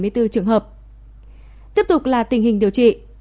tiếp tục là tình hình điều trị